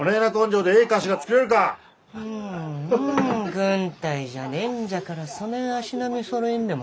軍隊じゃねんじゃからそねん足並みそろえんでも。